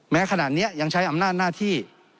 แม้ขนาดนี้ยังใช้อำนาจหน้าที่